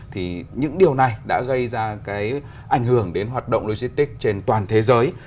thì những điều này đã gây ra cái ảnh hưởng đến hoạt động logistics trên toàn thế giới